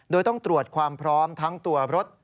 โดยต้องตรวจความพร้อมทั้งตัวรถ